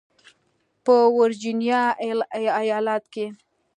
په ورجینیا ایالت کې